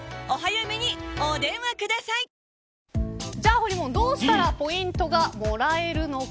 ほりもん、どうしたらポイントがもらえるのか。